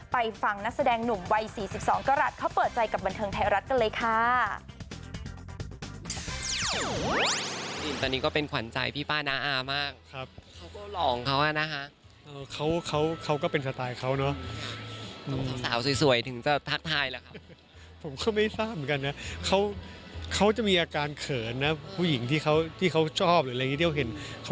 ไปฟังนักแสดงหนุ่มวัย๔๒กรัฐเขาเปิดใจกับบันเทิงไทยรัฐกันเลยค่ะ